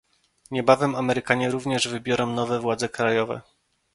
Niebawem Amerykanie również wybiorą nowe władze krajowe